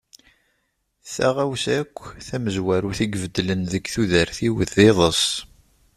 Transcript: Taɣawsa akk tamezwarut i ibeddlen deg tudert-iw d iḍes.